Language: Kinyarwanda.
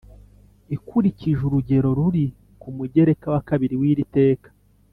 ikurikije urugero ruri ku mugereka wa kabiri w'iri teka.